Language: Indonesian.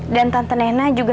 dan tante nena juga